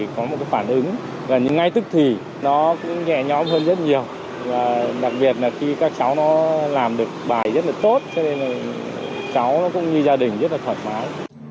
cho nên là cháu nó cũng như gia đình rất là thoải mái